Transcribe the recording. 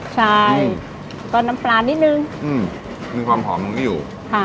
ใช่ก็น้ำปลานิดนึงมีความหอมตรงนี้อยู่ค่ะ